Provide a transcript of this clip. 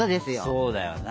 そうだよな。